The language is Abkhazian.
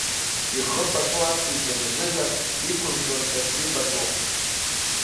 Ихы пату ақәиҵон азыҳәан, иқәырҵон даргьы пату.